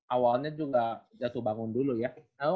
awalnya juga jatuh bangun dulu ya